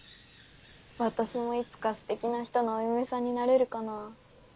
私もいつかステキな人のお嫁さんになれるかなぁ。